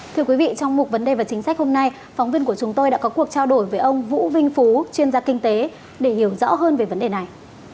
thưa quý vị trong mục vấn đề và chính sách hôm nay phóng viên của chúng tôi đã có cuộc trao đổi với ông vũ vinh phú chuyên gia kinh tế để hiểu rõ hơn về vấn đề này